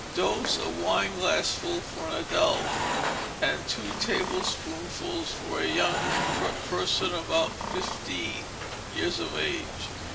Dose, a wineglassful for an adult; and two tablespoonfuls for young persons about fifteen years of age.